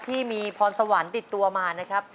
ที่มีพรสวรรค์ติดตัวมานะครับ